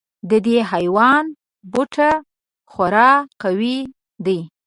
د دې حیوان بوټه خورا قوي دی.